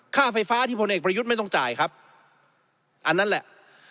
ค่าไฟฟ้าที่พลเอกประยุทธ์ไม่ต้องจ่ายครับอันนั้นแหละ